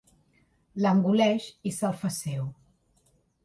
L'engoleix i se'l fa seu.